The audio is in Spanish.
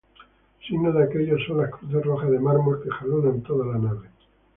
Signo de aquello son las cruces rojas de mármol que jalonan toda la nave.